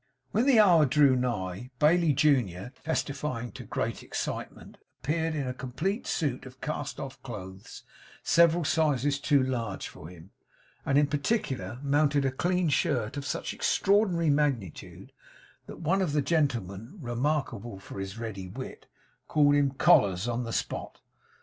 When the hour drew nigh, Bailey junior, testifying great excitement, appeared in a complete suit of cast off clothes several sizes too large for him, and in particular, mounted a clean shirt of such extraordinary magnitude, that one of the gentlemen (remarkable for his ready wit) called him 'collars' on the spot.